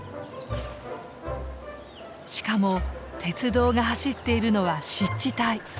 しかも鉄道が走っているのは湿地帯。